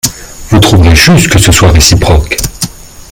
Vous trouverez juste que ce soit réciproque.